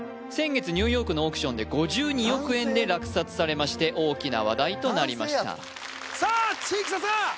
先月ニューヨークのオークションで５２億円で落札されまして大きな話題となりましたさあ千種さん！